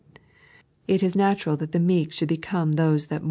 It is natural that the meek should become those that 3.